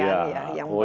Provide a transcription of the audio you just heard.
ya itu sangat untung